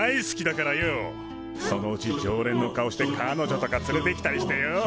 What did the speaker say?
そのうち常連の顔して彼女とか連れてきたりしてよ。